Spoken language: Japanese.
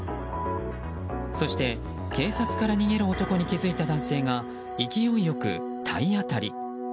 そして警察から逃げる男に気付いた男性が勢い良く、体当たり。